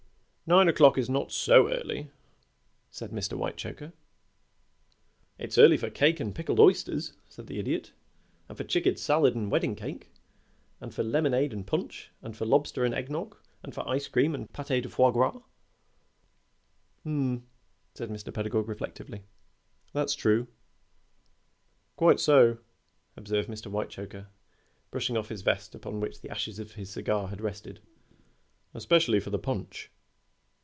"Nine o'clock is not so early," said Mr. Whitechoker. "It's early for cake and pickled oysters," said the Idiot. "And for chicken salad and wedding cake, and for lemonade and punch, and for lobster and egg nog, and for ice cream and pâté de foie gras." "H'm!" said Mr. Pedagog, reflectively. "That's true." "Quite so," observed Mr. Whitechoker, brushing off his vest, upon which the ashes of his cigar had rested. "Especially for the punch."